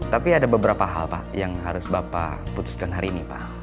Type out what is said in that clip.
tapi ada beberapa hal pak yang harus bapak putuskan hari ini pak